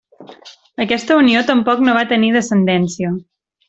Aquesta unió tampoc no va tenir descendència.